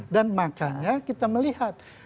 dan makanya kita melihat